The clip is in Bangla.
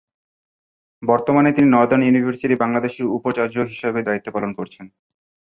বর্তমানে তিনি নর্দান ইউনিভার্সিটি বাংলাদেশের উপাচার্য হিসেবে দায়িত্ব পালন করছেন।